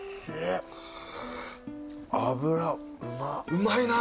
うまいな。